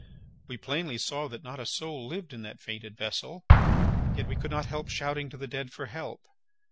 We plainly saw that not a soul lived in that fated vessel! Yet we could not help shouting to the dead for help!